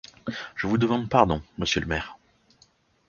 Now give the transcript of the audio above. Je vous demande pardon, monsieur le maire.